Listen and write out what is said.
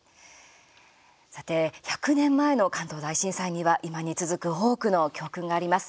さて１００年前の関東大震災には今に続く、多くの教訓があります。